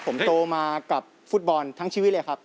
ผมโตมากับฟุตบอลทั้งชีวิตเลยครับ